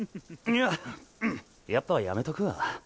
イヤやっぱやめとくわ。